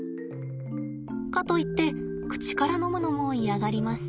かといって口から飲むのも嫌がります。